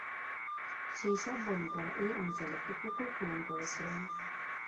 সেই সব বণিকেরা এই অঞ্চলে একটি পুকুর খনন করেছিলেন।